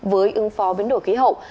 với ứng phó biến đổi khí hậu